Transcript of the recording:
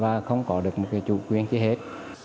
rất là tạm bờ không có được chủ quyền hết